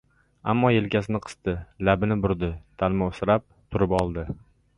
Ammo yelkasini qisdi, labini burdi, talmovsirab turib oldi.